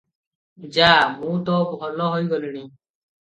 ଯା, ମୁଁ ତ ଭଲ ହୋଇଗଲିଣି ।"